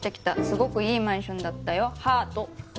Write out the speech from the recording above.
「すごくいいマンションだったよ」